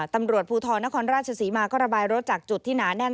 ตำรวจภูทรนครราชศรีมาก็ระบายรถจากจุดที่หนาแน่น